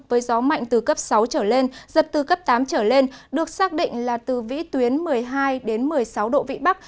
với gió mạnh từ cấp sáu trở lên giật từ cấp tám trở lên được xác định là từ vĩ tuyến một mươi hai một mươi sáu độ vị bắc